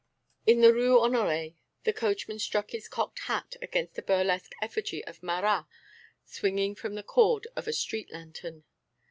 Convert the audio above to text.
In the Rue Honoré the coachman struck his cocked hat against a burlesque effigy of Marat swinging from the cord of a street lantern.